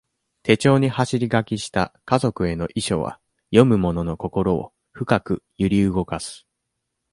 手帳に走り書きした家族への遺書は、読む者の心を、深く揺り動かす。